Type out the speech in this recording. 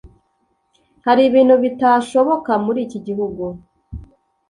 ’ Hari ibintu bitashoboka muri iki gihugu